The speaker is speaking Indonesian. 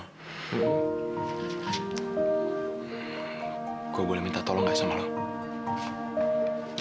aku boleh minta tolong nggak sama kamu